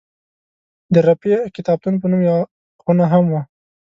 د رفیع کتابتون په نامه یوه خونه هم وه.